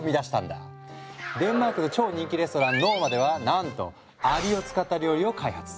デンマークの超人気レストラン「ノーマ」ではなんとアリを使った料理を開発。